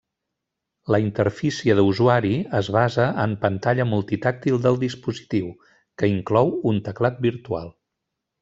La interfície d'usuari es basa en pantalla multitàctil del dispositiu, que inclou un teclat virtual.